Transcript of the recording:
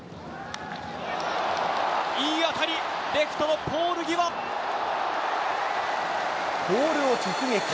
いい当たり、レフトのポールポールを直撃。